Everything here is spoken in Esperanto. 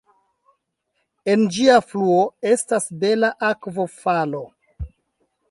En ĝia fluo estas bela akvofalo.